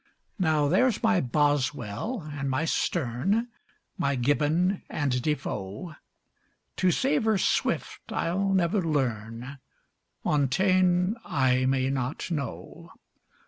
Now, there's my Boswell and my Sterne, my Gibbon and Defoe; To savor Swift I'll never learn, Montaigne I may not know.